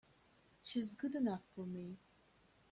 She's good enough for me!